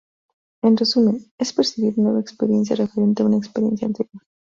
En resumen, es percibir nueva experiencia referente a una experiencia anterior.